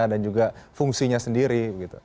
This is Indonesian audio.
dan juga fungsinya sendiri